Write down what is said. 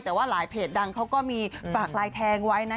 แต่ว่าหลายเพจดังเขาก็มีฝากลายแทงไว้นะ